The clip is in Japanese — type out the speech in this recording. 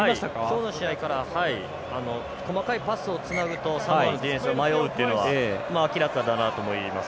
今日の試合から細かいパスをつなぐとサモアのディフェンスが迷うっていうのは明らかだなと思います。